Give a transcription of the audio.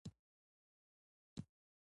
څنګه چې د نوم نه ظاهره ده